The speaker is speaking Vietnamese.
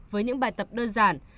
với những bài tập đơn giản